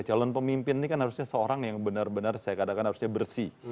calon pemimpin ini kan harusnya seorang yang benar benar saya katakan harusnya bersih